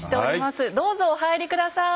どうぞお入り下さい。